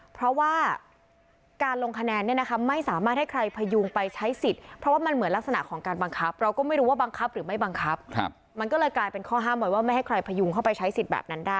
เพราะว่ามันเหมือนลักษณะของการบังคับเราก็ไม่รู้ว่าบังคับหรือไม่บังคับ